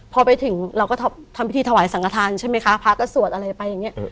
พอไปถึงเราก็ทำพิธีถวายสังกฐานใช่ไหมคะพระก็สวดอะไรไปอย่างเงี้